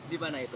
di mana itu